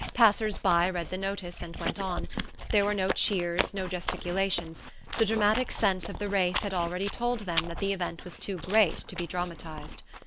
Passers by read the notice and went on. There were no cheers, no gesticulations: the dramatic sense of the race had already told them that the event was too great to be dramatized.